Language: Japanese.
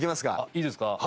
いいですか？